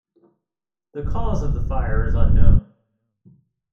The cause of the fire is unknown.